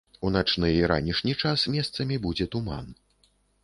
У начны і ранішні час месцамі будзе туман.